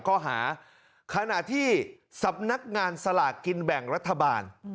ข้อหาขณะที่สำนักงานสลากกินแบ่งรัฐบาล